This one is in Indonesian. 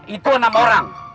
itu enam orang